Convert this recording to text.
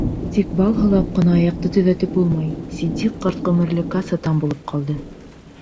Тик бал һылап ҡына аяҡты төҙәтеп булмай, Ситдиҡ ҡарт ғүмерлеккә сатан булып ҡалды.